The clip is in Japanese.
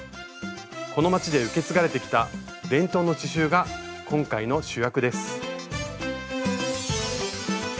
この街で受け継がれてきた伝統の刺しゅうが今回の主役です。